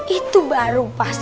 itu baru pas